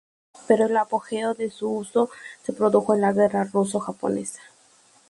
Pero el apogeo de su uso se produjo en la Guerra Ruso-Japonesa.